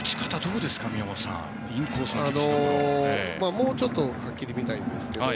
もうちょっとはっきり見たいですけど。